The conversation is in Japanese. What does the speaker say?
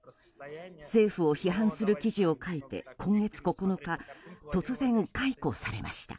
政府を批判する記事を書いて今月９日突然、解雇されました。